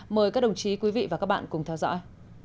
mời các đồng chí quý vị và các bạn cùng theo dõi